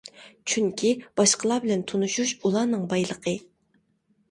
چۈنكى باشقىلار بىلەن تونۇشۇش ئۇلارنىڭ بايلىقى.